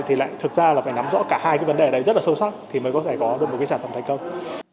thì lại thực ra là phải nắm rõ cả hai cái vấn đề đấy rất là sâu sắc thì mới có thể có được một cái sản phẩm thành công